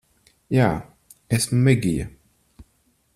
Jā. Esmu Megija.